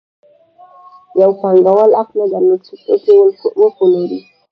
یو پانګوال حق نه درلود چې توکي وپلوري